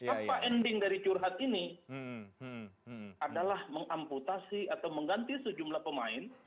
apa ending dari curhat ini adalah mengamputasi atau mengganti sejumlah pemain